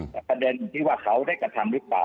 แต่ประเด็นที่ว่าเขาได้ปฏิภัณฑ์หรือเปล่า